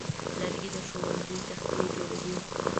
لرګی د ښوونځي تختې جوړوي.